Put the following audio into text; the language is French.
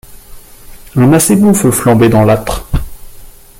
Un assez bon feu flambait dans l’âtre.